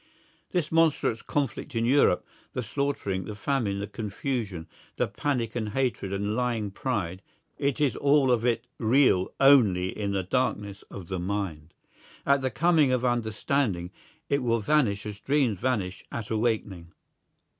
This monstrous conflict in Europe, the slaughtering, the famine, the confusion, the panic and hatred and lying pride, it is all of it real only in the darkness of the mind. At the coming of understanding it will vanish as dreams vanish at awakening.